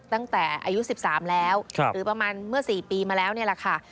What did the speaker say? ตั้งแต่อายุ๑๓แล้วหรือประมาณเมื่อ๔ปีมาแล้วนี่แหละค่ะ